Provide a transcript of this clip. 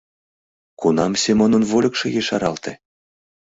— Кунам Семонын вольыкшо ешаралте?